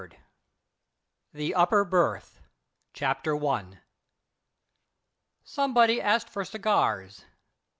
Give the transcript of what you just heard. _ THE UPPER BERTH CHAPTER I Somebody asked for the cigars.